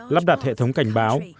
lắp đặt hệ thống cảnh báo